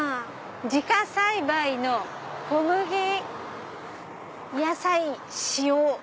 「自家栽培小麦野菜使用。